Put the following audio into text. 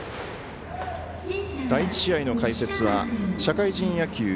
第１試合の解説は社会人野球